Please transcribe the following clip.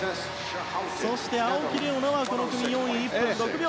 そして青木玲緒樹はこの組４位。